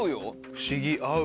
不思議合う。